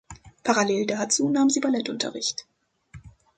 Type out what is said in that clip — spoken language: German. Parallel dazu nahm sie Ballettunterricht.